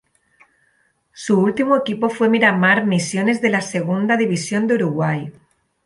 Su último equipo fue Miramar Misiones de la Segunda División de Uruguay.